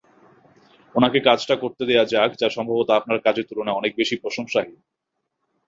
ওনাকে কাজটা করতে দেওয়া যাক যা সম্ভবত আপনার কাজের তুলনায় অনেক বেশি প্রশংসাহীন।